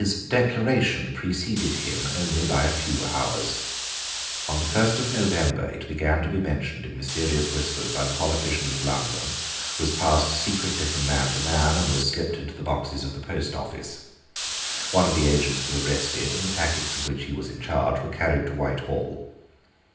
His Declaration preceded him only by a few hours. On the first of November it began to be mentioned in mysterious whispers by the politicians of London, was passed secretly from man to man, and was slipped into the boxes of the post office. One of the agents was arrested, and the packets of which he was in charge were carried to Whitehall.